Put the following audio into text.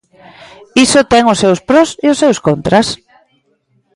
Iso ten os seus pros e os seus contras.